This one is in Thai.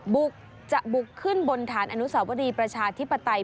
บุกจะบุกขึ้นบนฐานอนุสาวรีประชาธิปไตย